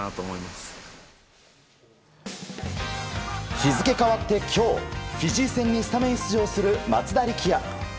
日付変わって今日フィジー戦にスタメン出場する松田力也。